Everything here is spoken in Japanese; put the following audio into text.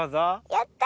やった！